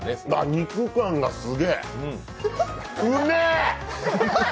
肉感がすげえ。